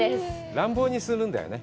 乱暴にするんだよね。